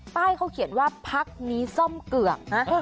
ป้ายเขาเขียนว่าพักนี้ซ่อมเกือกนะ